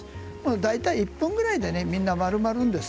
大体１分ぐらいでみんな丸まるんです。